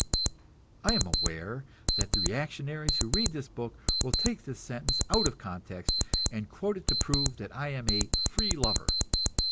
I am aware that the reactionaries who read this book will take this sentence out of its context and quote it to prove that I am a "free lover."